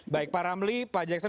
baik pak ramli pak jackson